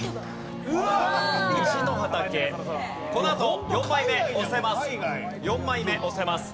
このあと４枚目押せます。